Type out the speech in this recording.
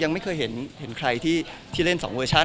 จิ่งก็ไม่ค่อยเคยเห็นใครที่เล่น๒เวอชั่น